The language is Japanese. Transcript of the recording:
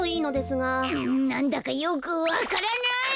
なんだかよくわからない！